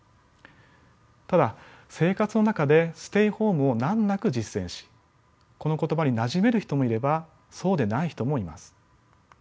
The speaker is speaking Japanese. ただ生活の中でステイホームを難なく実践しこの言葉になじめる人もいればそうでない人もいます。